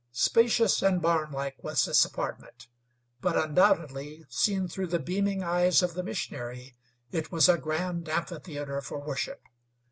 Spacious and barn like was this apartment; but undoubtedly, seen through the beaming eyes of the missionary, it was a grand amphitheater for worship.